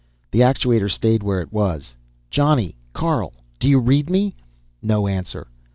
The actuator stayed where it was. "Johnny! Carl! Do you read me?" No answer.